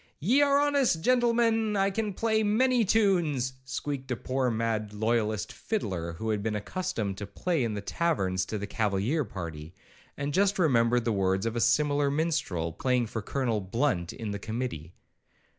'Ye are honest gentlemen, I can play many tunes,' squeaked a poor mad loyalist fiddler, who had been accustomed to play in the taverns to the cavalier party, and just remembered the words of a similar minstrel playing for Colonel Blunt in the committee.